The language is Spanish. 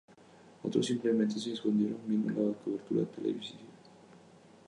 Otros simplemente se escondieron, viendo la cobertura televisiva.